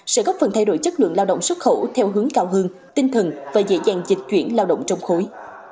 sẽ góp phần thay đổi chất lượng lao động xuất khẩu theo hướng cao hơn tinh thần và dễ dàng dịch chuyển lao động trong khối